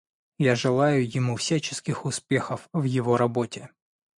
Я желаю ему всяческих успехов в его работе.